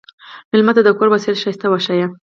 مېلمه ته د کور وسایل ښايسته وښیه.